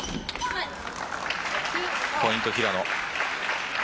ポイント平野。